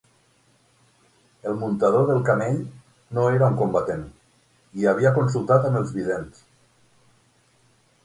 El muntador del camell no era un combatent, i havia consultat amb els vidents.